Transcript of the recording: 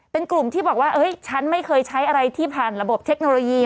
เป็นกลุ่มที่บอกว่าฉันไม่เคยใช้อะไรที่ผ่านระบบเทคโนโลยี